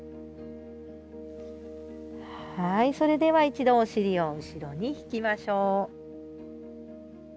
はいそれでは一度お尻を後ろに引きましょう。